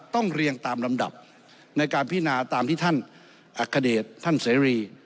เรียงตามลำดับในการพินาตามที่ท่านอัคเดชท่านเสรี